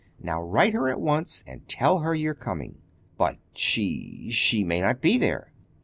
Now, write her at once, and tell her you're coming." "But she—she may not be there."